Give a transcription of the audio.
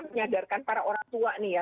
menyadarkan para orang tua nih ya